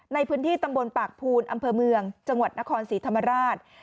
ในพื้นที่ตำบลปากภูนอำเภอเมืองจังหวัดนครศรีธรรมราช